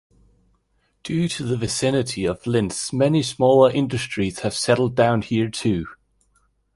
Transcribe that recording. Due to the vicinity of Linz many smaller industries have settled down here too.